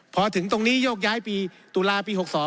พอถึงตรงนี้โยกย้ายปีตุลาปี๖๒